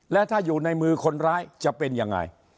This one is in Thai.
และถ้าอยู่ในมือคนร้ายจะเป็นยังไง